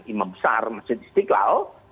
imam besar masjid istiqlal